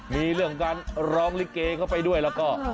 มีเรื่องการร้องลิเกเข้าไปด้วยแล้วก็